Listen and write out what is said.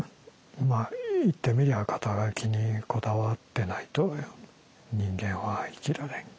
まあ言ってみりゃ肩書にこだわってないと人間は生きられない。